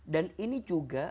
dan ini juga